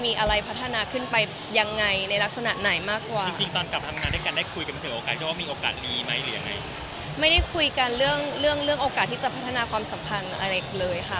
ไม่ได้คุยกันเรื่องโอกาสที่เดี๋ยวจะพัฒนาความสำคัญ